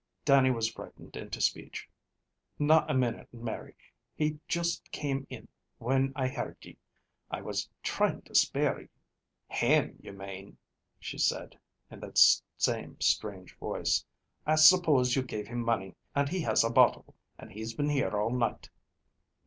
Dannie was frightened into speech. "Na a minute, Mary; he juist came in when I heard ye. I was trying to spare ye." "Him, you mane," she said, in that same strange voice. "I suppose you give him money, and he has a bottle, and he's been here all night."